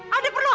ada perlu apa